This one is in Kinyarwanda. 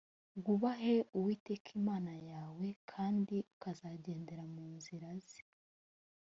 wubaheuwiteka imana yawe kandi ukagendera mu nzira ze